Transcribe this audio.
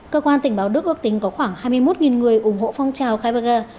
cơ quan tình báo đức ước tính có khoảng hai mươi một người ủng hộ phong trào kailvagor